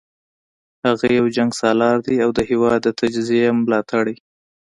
هغه یو جنګسالار دی او د هیواد د تجزیې ملاتړی